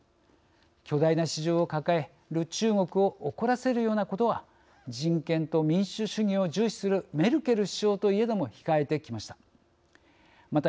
巨大な市場を抱える中国を怒らせるようなことは人権と民主主義を重視するメルケル首相といえども控えてきました。